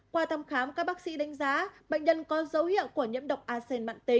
qua thăm khám các bác sĩ đánh giá bệnh nhân có dấu hiệu của nhiễm độc acen mạng tính